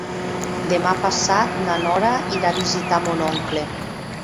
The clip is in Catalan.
Demà passat na Nora irà a visitar mon oncle.